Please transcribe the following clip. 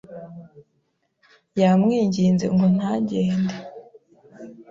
Yamwinginze ngo ntagende.